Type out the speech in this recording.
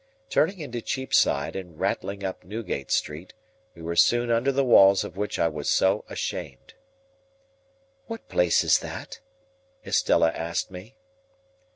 Turning into Cheapside and rattling up Newgate Street, we were soon under the walls of which I was so ashamed. "What place is that?" Estella asked me.